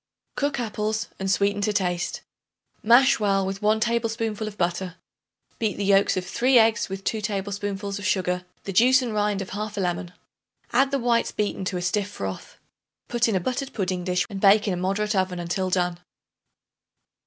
Cook apples and sweeten to taste. Mash well with 1 tablespoonful of butter. Beat the yolks of 3 eggs with 2 tablespoonfuls of sugar, the juice and rind of 1/2 lemon; add the whites beaten to a stiff froth. Put in a buttered pudding dish and bake in a moderate oven until done.